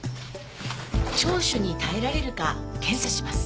聴取に耐えられるか検査します。